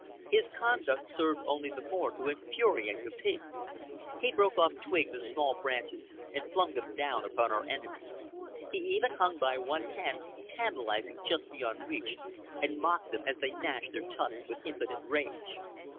His conduct served only the more to infuriate the pigs. He broke off twigs and small branches and flung them down upon our enemies. He even hung by one hand, tantalizingly just beyond reach, and mocked them as they gnashed their tusks with impotent rage.